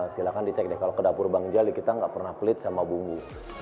silahkan di cek kalau ke dapur bang jali kita tidak pernah kulit sama bumbu